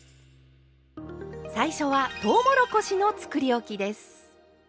最初はとうもろこしのつくりおきです。